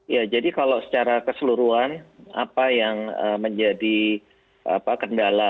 ya jadi kalau secara keseluruhan apa yang menjadi kendala